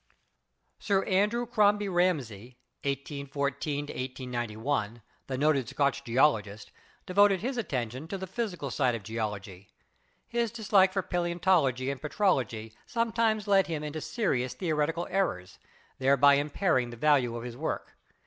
Sir Andrew Crombie Ramsay (1814 1891), the noted Scotch geologist, devoted his attention to the physical side of Geology. His dislike for Paleontology and Petrology sometimes led him into serious theoretical errors, thereby impairing the value of his work.